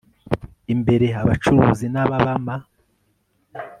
imbere abacuruzi n ababama